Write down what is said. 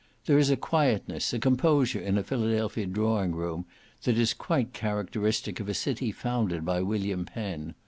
There is a quietness, a composure in a Philadelphia drawing room, that is quite characteristic of a city founded by William Penn.